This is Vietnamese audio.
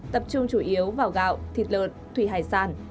tập trung chủ yếu vào gạo thịt lợn thủy hải sản